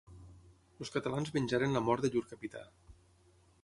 Els catalans venjaren la mort de llur capità.